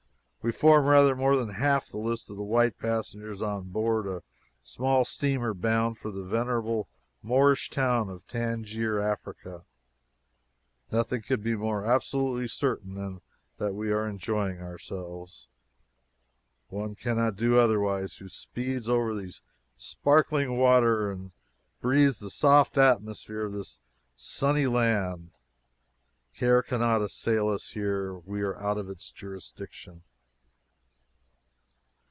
We form rather more than half the list of white passengers on board a small steamer bound for the venerable Moorish town of Tangier, Africa. Nothing could be more absolutely certain than that we are enjoying ourselves. One can not do otherwise who speeds over these sparkling waters and breathes the soft atmosphere of this sunny land. Care cannot assail us here. We are out of its jurisdiction.